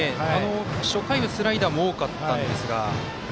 初回はスライダーも多かったんですが。